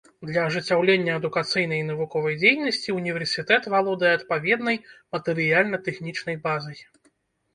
Для ажыццяўлення адукацыйнай і навуковай дзейнасці ўніверсітэт валодае адпаведнай матэрыяльна-тэхнічнай базай.